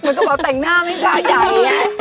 เหมือนกระเป๋าแต่งหน้าไหมคะใหญ่